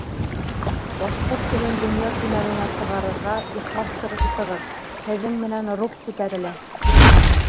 Башҡорт телен донъя кимәленә сығарырға ихлас тырыштығыҙ, һеҙҙең менән рух күтәрелә.